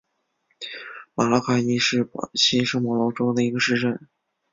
马拉卡伊是巴西圣保罗州的一个市镇。